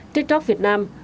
tiktok việt nam